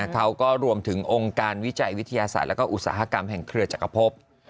เขาก็รวมถึงองค์การวิจัยวิทยาศาสตร์และอุตสาหกรรมแห่งเครือจักรพบ